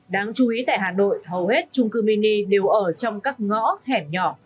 đáng chú ý tại hà nội hầu hết trung cư mini đều ở trong các ngõ hẻm nhỏ